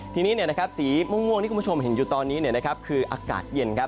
ทีนี้สีม่วงที่คุณผู้ชมเห็นอยู่ตอนนี้คืออากาศเย็นครับ